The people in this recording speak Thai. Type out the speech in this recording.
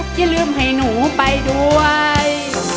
อย่าลืมให้หนูไปด้วย